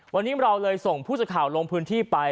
วันนี้เราเลยส่งผู้สื่อข่าวลงพื้นที่ไป